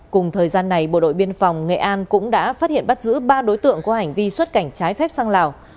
cùng thời gian này bộ đội biên phòng nghệ an cũng đã phát hiện bắt giữ ba đối tượng có hành vi xuất cảnh trái phép sang lào